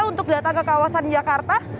untuk datang ke kawasan jakarta